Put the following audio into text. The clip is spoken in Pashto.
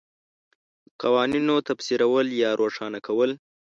د قوانینو تفسیرول یا روښانه کول